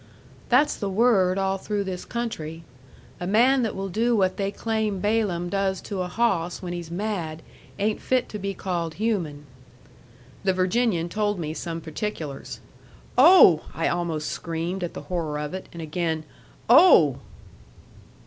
"That's the word all through this country. A man that will do what they claim Balaam does to a hawss when he's mad, ain't fit to be called human." The Virginian told me some particulars. "Oh!" I almost screamed at the horror of it, and again, "Oh!"